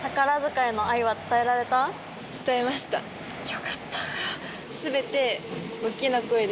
よかった。